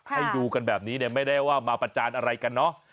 ให้ดูกันแบบนี้เนี่ยไม่ได้ว่ามาประจานอะไรกันเนอะ